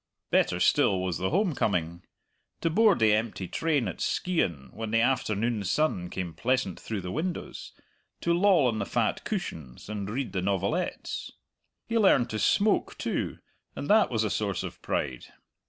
Better still was the home coming to board the empty train at Skeighan when the afternoon sun came pleasant through the windows, to loll on the fat cushions and read the novelettes. He learned to smoke too, and that was a source of pride.